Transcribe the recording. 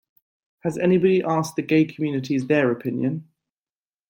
Has anybody asked the gay communities their opinion?